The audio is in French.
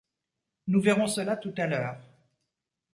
Nous verrons cela tout à l’heure.